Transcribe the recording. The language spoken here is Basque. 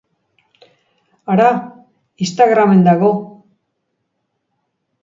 Hara, Instagramen dago!